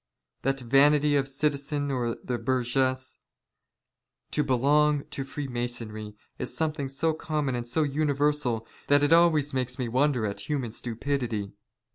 That vanity of the citizen or the burgess, '•'to be enfeodated to Freemasonry, is something so common '^ and so universal that it always makes me wonder at human " stupidity.